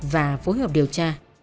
và phối hợp điều tra